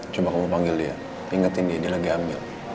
coba kamu panggil dia ingatin dia dia lagi ambil